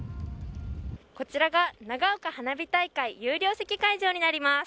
こちらが、長岡花火大会有料席会場になります。